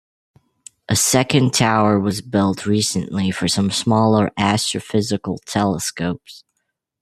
A second tower was built recently for some smaller astrophysical telescopes.